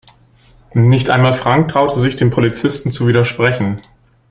Nicht einmal Frank traute sich dem Polizisten zu widersprechen.